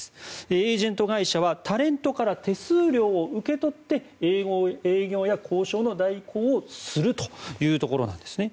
エージェント会社はタレントから手数料を受け取って営業や交渉の代行をするというところなんですね。